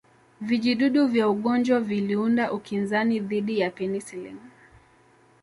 Vijidudu vya ugonjwa viliunda ukinzani dhidi ya penicillin